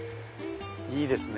いいですね